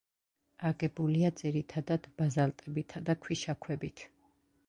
აგებულია ძირითადად ბაზალტებითა და ქვიშაქვებით.